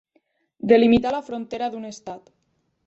Delimitar la frontera d'un estat.